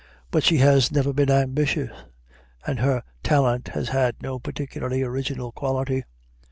But she has never been ambitious and her talent has had no particularly original quality.